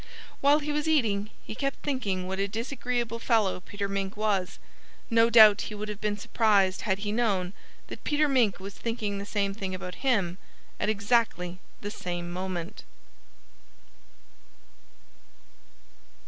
While he was eating he kept thinking what a disagreeable fellow Peter Mink was. No doubt he would have been surprised had he known that Peter Mink was thinking the same thing about him, at exactly the same moment.